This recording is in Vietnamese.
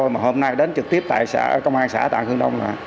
mà hôm nay đến trực tiếp công an xã tạng hương đông